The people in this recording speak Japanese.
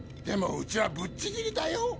でもうちはぶっちぎりだよ。